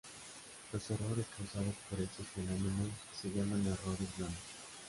Los errores causados por estos fenómenos se llaman errores blandos.